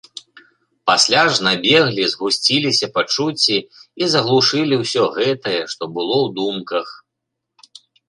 Пасля ж набеглі, згусціліся пачуцці і заглушылі ўсё гэтае, што было ў думках.